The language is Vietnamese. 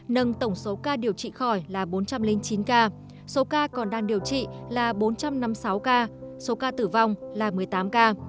nâng tổng số ca điều trị khỏi là bốn trăm linh chín ca số ca còn đang điều trị là bốn trăm năm mươi sáu ca số ca tử vong là một mươi tám ca